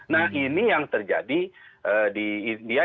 nah ini yang terjadi di india